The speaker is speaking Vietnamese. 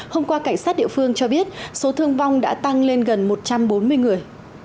hôm qua cảnh sát địa phương cho biết số thương vong đã tăng lên gần một trăm bốn mươi người